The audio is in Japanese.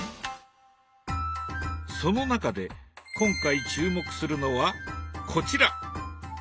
その中で今回注目するのはこちら！